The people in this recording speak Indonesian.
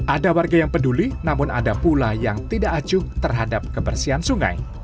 ada warga yang peduli namun ada pula yang tidak acuh terhadap kebersihan sungai